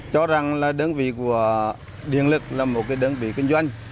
cho rằng là đơn vị của điện lực là một đơn vị kinh doanh